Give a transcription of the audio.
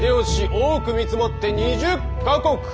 多く見積もって２０か国。